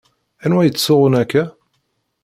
Anwa yettsuɣun akka?